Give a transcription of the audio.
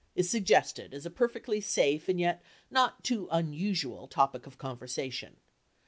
is suggested as a perfectly safe and yet not too unusual topic of conversation.